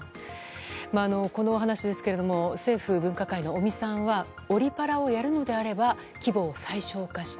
この話ですが政府分科会の尾身さんはオリパラをやるのであれば規模を最小化して。